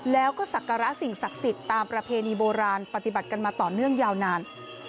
แล้วก็ศักระสิ่งศักดิ์สิทธิ์ตามประเพณีโบราณปฏิบัติกันมาต่อเนื่องยาวนาน